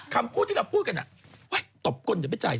คำพูดนี่เราพูดกันอ่ะวัยตบก้นอย่าไปจ่าย